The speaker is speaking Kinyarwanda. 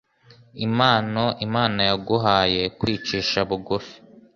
Impano Imana yaguhaye. kwicisha bugufi.